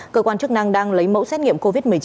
cơ quan chức năng đang lấy mẫu xét nghiệm covid một mươi chín